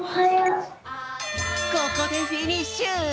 ここでフィニッシュ！